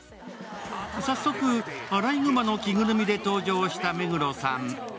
早速、あらいぐまの着ぐるみで登場した目黒さん。